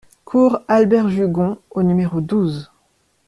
Cour Albert Jugon au numéro douze